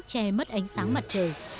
che mất ánh sáng mặt trời